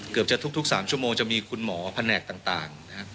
เกือบจะทุก๓ชั่วโมงจะมีคุณหมอพนักต่าง